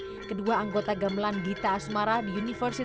oke bisa kamu ajar saya sedikit bagaimana memainkan ini